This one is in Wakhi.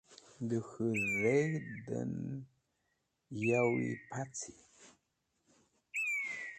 Dẽ k̃hũ dheg̃hd en yawi paci.